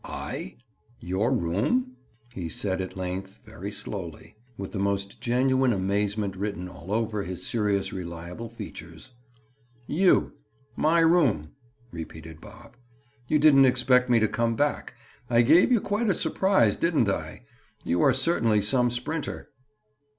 "I?—your room?" he said at length very slowly, with the most genuine amazement written all over his serious reliable features. "You! My room!" repeated Bob. "You didn't expect me to come back. I gave you quite a surprise, didn't I? You are certainly some sprinter."